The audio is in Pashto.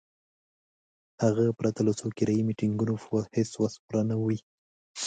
هغه پرته له څو کرایي میټینګونو هیڅ په وس پوره نه وي.